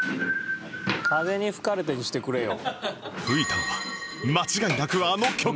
『風に吹かれて』にしてくれよ。